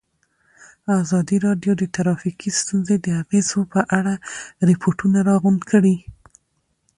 ازادي راډیو د ټرافیکي ستونزې د اغېزو په اړه ریپوټونه راغونډ کړي.